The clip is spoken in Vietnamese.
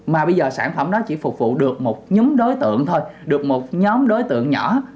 mà bây giờ sản phẩm đó chỉ phục vụ được một nhóm đối tượng nhỏ